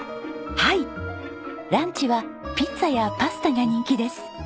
はいランチはピッツァやパスタが人気です。